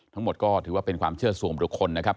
ทั้งหมดก็ถือว่าเป็นความเชื่อส่วนบุคคลนะครับ